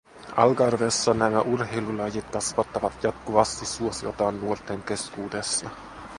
Algarvessa nämä urheilulajit kasvattavat jatkuvasti suosiotaan nuorten keskuudessa.